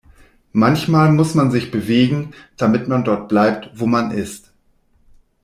Manchmal muss man sich bewegen, damit man dort bleibt, wo man ist.